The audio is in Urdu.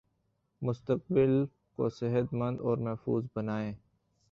مستقبل کو صحت مند اور محفوظ بنائیں